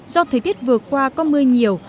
do thời tiết vừa qua có mưa nhiều